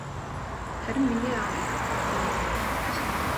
Харин миний аав ирэхгүй тийм үү?